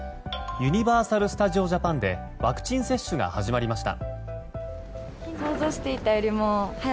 ユニバーサル・スタジオ・ジャパンでワクチン接種が始まりました。